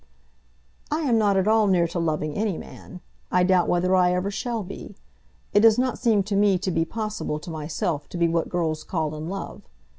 "I am not at all near to loving any man. I doubt whether I ever shall be. It does not seem to me to be possible to myself to be what girls call in love.